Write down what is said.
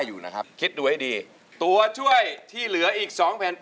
สู้จริง